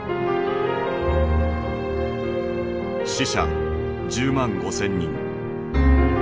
死者１０万５，０００人。